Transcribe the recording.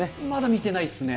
まだ見てないですね。